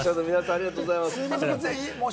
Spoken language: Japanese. ありがとうございます。